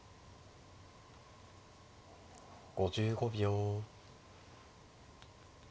５５秒。